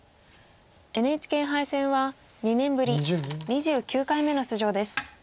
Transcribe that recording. ＮＨＫ杯戦は２年ぶり２９回目の出場です。